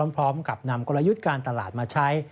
พร้อมกับนำกลยุทธ์การตลาดมาใช้